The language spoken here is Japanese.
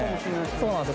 そうなんですよ